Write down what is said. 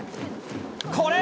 これ！